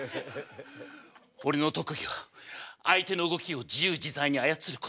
俺の特技は相手の動きを自由自在に操ること。